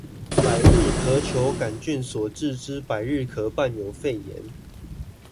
百日咳球桿菌所致之百日咳伴有肺炎